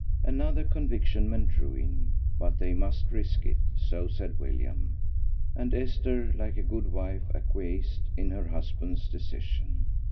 Another conviction meant ruin, but they must risk it, so said William; and Esther, like a good wife, acquiesced in her husband's decision.